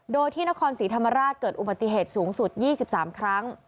โดยที่นครศรีธรรมราชเกิดอุบัติเหตุสูงสุด๒๓ครั้ง